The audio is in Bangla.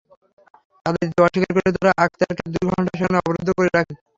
চাঁদা দিতে অস্বীকার করলে তাঁরা আকতারকে দুই ঘণ্টা সেখানে অবরুদ্ধ করে রাখেন।